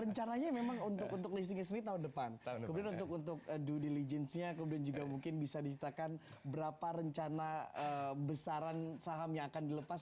rencananya memang untuk listriknya sendiri tahun depan kemudian untuk due diligence nya kemudian juga mungkin bisa diceritakan berapa rencana besaran saham yang akan dilepas